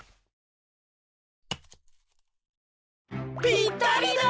ぴったりだ！